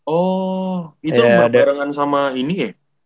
oh itu bayangan sama ini ya